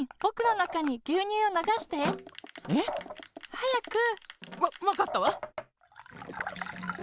はやく！わわかったわ。